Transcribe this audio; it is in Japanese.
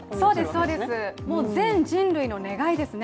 全人類の願いですね。